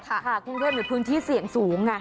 ค่ะคุณกรุงเทพเป็นพื้นที่เสี่ยงสูง